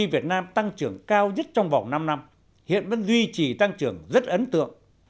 gdp việt nam tăng trưởng cao nhất trong vòng năm năm hiện vẫn duy trì tăng trưởng rất ấn tượng